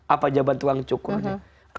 apa jawaban tukang cukurnya